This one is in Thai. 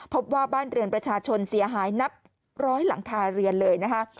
พบว่าบ้านเรือนประชาชนเสียหายนับร้อยหลังคาเรือนเลยนะคะ